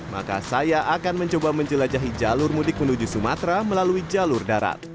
maka saya akan mencoba menjelajahi jalur mudik menuju sumatera melalui jalur darat